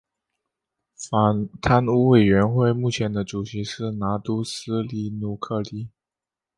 反贪污委员会目前的主席是拿督斯里苏克里。